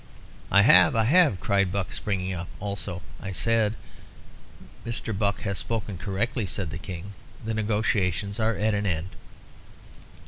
"I have, I have," cried Buck, springing up also; "I said " "Mr. Buck has spoken correctly," said the King; "the negotiations are at an end."